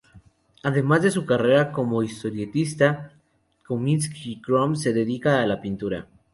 Además de su carrera como historietista, Kominsky-Crumb se dedica a la pintura.